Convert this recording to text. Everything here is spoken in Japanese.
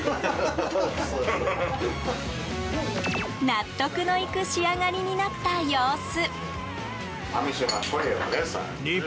納得のいく仕上がりになった様子！